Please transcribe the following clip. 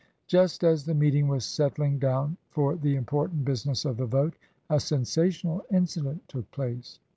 Just as the meeting was settling down for the important business of the vote, a sensational incident took place.